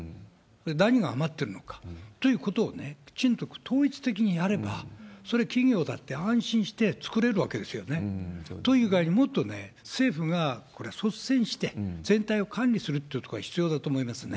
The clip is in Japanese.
何が余ってるのかということをね、きちんと統一的にやれば、それは企業だって安心して作れるわけですよね。という具合に、もっと政府がこれ、率先して全体を管理するということが必要だと思いますね。